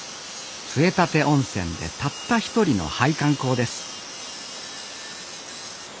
杖立温泉でたった一人の配管工です